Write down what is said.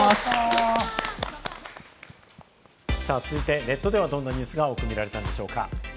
続いて、ネットではどんなニュースが多く見られたのでしょうか？